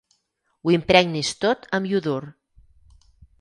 Ho impregnis tot amb iodur.